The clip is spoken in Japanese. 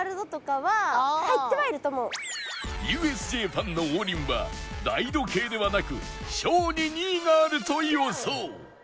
ＵＳＪ ファンの王林はライド系ではなくショーに２位があると予想